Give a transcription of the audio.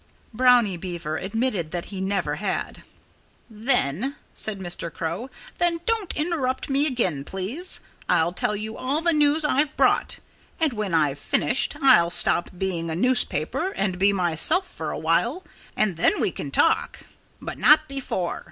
Brownie Beaver admitted that he never had. "Then " said Mr. Crow "then don't interrupt me again, please! I'll tell you all the news I've brought. And when I've finished I'll stop being a newspaper and be myself for a while. And then we can talk. But not before!"